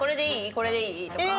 これでいい？とか。